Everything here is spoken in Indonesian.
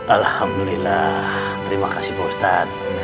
alhamdulillah terima kasih pak ustadz